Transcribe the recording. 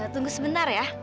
tunggu sebentar ya